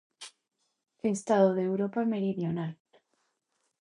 Estado de Europa Meridional.